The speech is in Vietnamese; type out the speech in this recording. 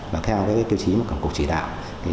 và theo kiêu chí của cục chỉ đạo